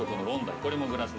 これもグラスで。